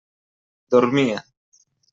Dormia.